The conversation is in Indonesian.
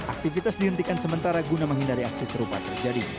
aktivitas dihentikan sementara guna menghindari aksi serupa terjadi